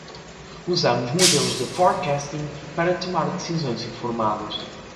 Usamos modelos de forecasting para tomar decisões informadas.